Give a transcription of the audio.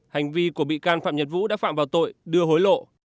hành vi của bị can phạm nhật vũ đã phạm vào tội đưa hối lộ